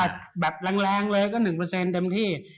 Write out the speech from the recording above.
อาจแบบแรงเลยก็๑เดิมที่